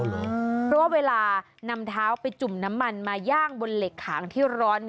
เพราะว่าเวลานำเท้าไปจุ่มน้ำมันมาย่างบนเหล็กขางที่ร้อน